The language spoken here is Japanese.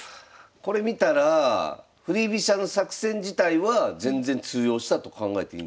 これ見たら振り飛車の作戦自体は全然通用したと考えていいんでしょうか。